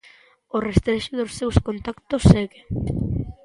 O rastrexo dos seus contactos segue.